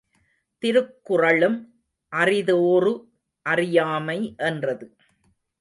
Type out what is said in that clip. திருக்குறளும் அறிதோறு அறியாமை என்றது.